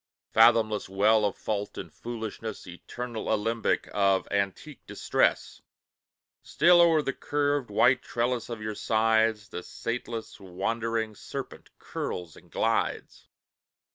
Fathomless well of fault and foolishness! Eternal alembic of antique distress! Still o'er the curved, white trellis of your sides The sateless, wandering serpent curls and glides.